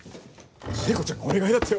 聖子ちゃんがお願いだってよ！